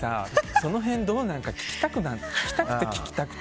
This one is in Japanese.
その辺、どうなのか聞きたくて聞きたくて。